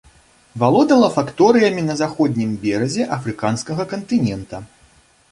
Валодала факторыямі на заходнім беразе афрыканскага кантынента.